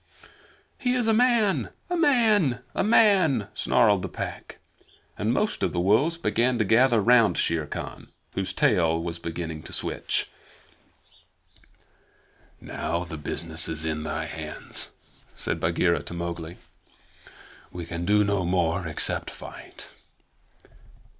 "He is a man a man a man!" snarled the Pack. And most of the wolves began to gather round Shere Khan, whose tail was beginning to switch. "Now the business is in thy hands," said Bagheera to Mowgli. "We can do no more except fight."